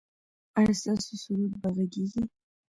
ایا ستاسو سرود به غږیږي؟